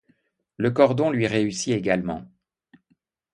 Le cordon lui réussit également.